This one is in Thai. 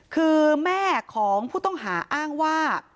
คือแม่ของผู้ต้องหาอ้างว่า